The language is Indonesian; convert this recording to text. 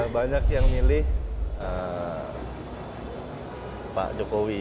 banyak yang milih pak jokowi